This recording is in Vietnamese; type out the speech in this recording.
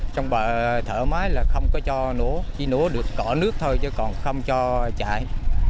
trong bờ thở máy là không có cho nổ chỉ nổ được cỏ nước thôi chứ còn không cho chạy